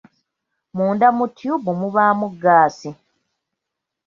Munda mu tyubu mubaamu ggaasi